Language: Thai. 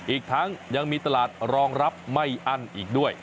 อีกทั้งยังมีตลาดรองรับไม่อั้นอีกด้วย